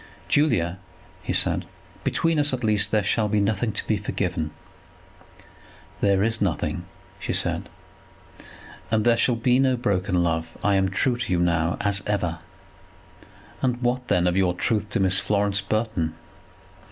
"Julia," he said, "between us at least there shall be nothing to be forgiven." "There is nothing," said she. "And there shall be no broken love. I am true to you now, as ever." "And, what, then, of your truth to Miss Florence Burton?"